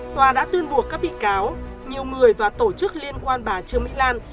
tòa đã tuyên buộc các bị cáo nhiều người và tổ chức liên quan bà trương mỹ lan